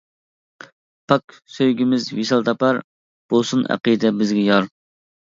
پاك سۆيگۈمىز ۋىسال تاپار، بولسۇن ئەقىدە بىزگە يار.